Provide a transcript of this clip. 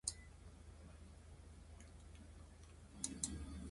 偉大なる、しゅららぼん